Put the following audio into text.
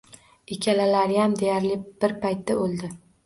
Ikkalalariyam deyarli bir paytda oʻldi